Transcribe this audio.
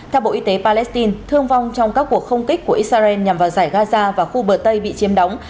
theo bộ y tế palestine thương vong trong các cuộc không kích của israel nhằm vào giải gaza và khu bờ tây bị chiếm đóng